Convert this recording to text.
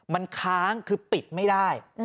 มันค้างคือปิดไม่ได้